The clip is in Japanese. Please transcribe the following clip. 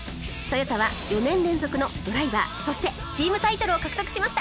トヨタは４年連続のドライバーそしてチームタイトルを獲得しました！